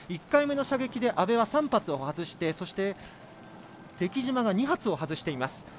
１回目の射撃で阿部は３発外してそして、出来島が２発外しています。